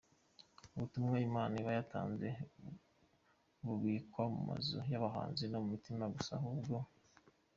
ubutumwa Imana iba yatanze bubikwa mu mazu yabahanzi no mu mitima gusa, ahubwo.